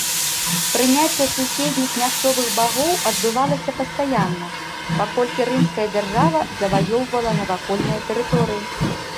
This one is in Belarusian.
Прыняцце суседніх мясцовых багоў адбывалася пастаянна, паколькі рымская дзяржава заваёўвала навакольныя тэрыторыі.